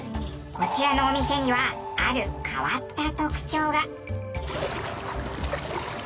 こちらのお店にはある変わった特徴が。